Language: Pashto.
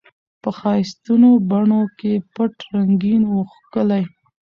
په ښایستو بڼو کي پټ رنګین وو ښکلی